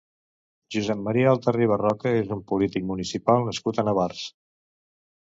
Josep Maria Altarriba Roca és un polític municipal nascut a Navars.